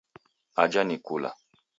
Aje ni kula